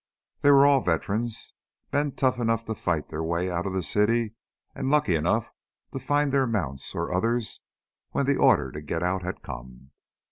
These were all veterans, men tough enough to fight their way out of the city and lucky enough to find their mounts or others when the order to get out had come.